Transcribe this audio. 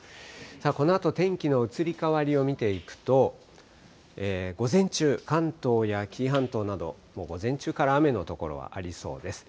このあと天気の移り変わりを見ていくと、午前中、関東や紀伊半島など、午前中から雨の所はありそうです。